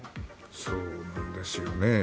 そうなんですよね。